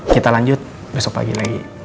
kita lanjut besok pagi lagi